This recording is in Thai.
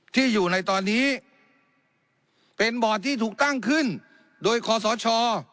ที่อยู่ในตอนนี้เป็นบอร์ดที่ถูกตั้งขึ้นโดยคอสช